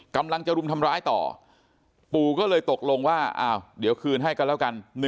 กำลังจะรุมทำร้ายต่อปู่ก็เลยตกลงว่าเดี๋ยวคืนให้กันแล้วกัน